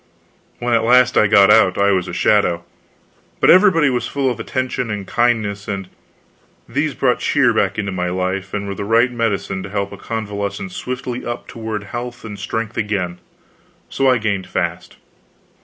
When at last I got out, I was a shadow. But everybody was full of attentions and kindnesses, and these brought cheer back into my life, and were the right medicine to help a convalescent swiftly up toward health and strength again; so I gained fast.